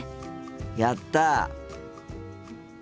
やった！